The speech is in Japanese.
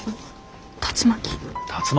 竜巻。